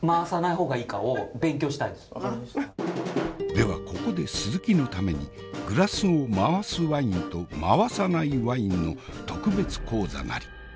ではここで鈴木のためにグラスを回すワインと回さないワインの特別講座なり。